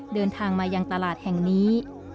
เดินทางมายังตลาดแห่งนี้